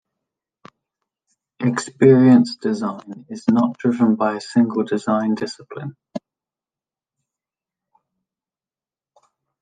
Experience design is not driven by a single design discipline.